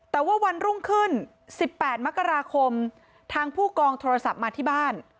แต่ว่าวันรุ่งขึ้น๑๘มกราคมทางผู้กองโทรศัพท์มาที่บ้าน